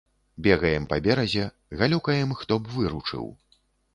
Бегаем па беразе, галёкаем, хто б выручыў.